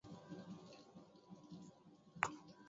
அது எந்த உலகம்?